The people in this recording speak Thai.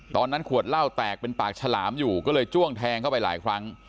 ขวดเหล้าแตกเป็นปากฉลามอยู่ก็เลยจ้วงแทงเข้าไปหลายครั้ง